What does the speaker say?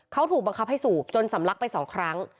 เขาถูกบังคับให้สูบจนสำลักไป๒ครั้ง